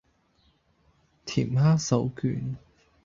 甜蝦手卷